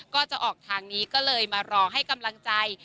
ก็จะออกทางนี้ก็เลยมารอให้กำลังใจ